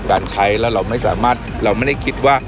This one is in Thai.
การใช้แล้วเราไม่สามารถเราไม่ได้คิดว่า